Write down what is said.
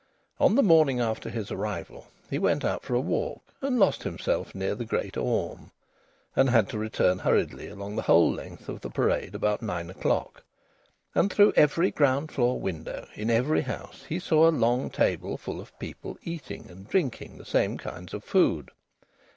On the morning after his arrival he went out for a walk and lost himself near the Great Orme, and had to return hurriedly along the whole length of the Parade about nine o'clock. And through every ground floor window of every house he saw a long table full of people eating and drinking the same kinds of food.